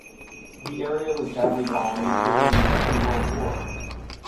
The area was badly bombed during the Second World War.